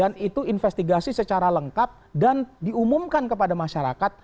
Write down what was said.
dan itu investigasi secara lengkap dan diumumkan kepada masyarakat